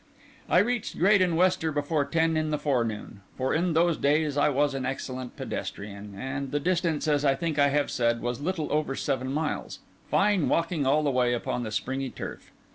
I reached Graden Wester before ten in the forenoon; for in those days I was an excellent pedestrian, and the distance, as I think I have said, was little over seven miles; fine walking all the way upon the springy turf.